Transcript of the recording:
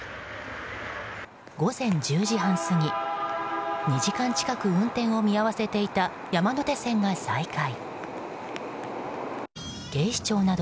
午前１０時半過ぎ２時間近く運転を見合わせていた山手線が再開。